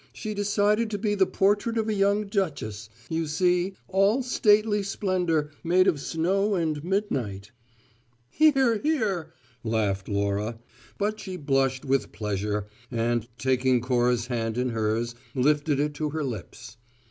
"She decided to be the portrait of a young duchess, you see, all stately splendour made of snow and midnight!" "Hear! hear!" laughed Laura; but she blushed with pleasure, and taking Cora's hand in hers lifted it to her lips.